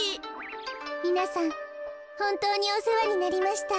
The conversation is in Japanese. みなさんほんとうにおせわになりました。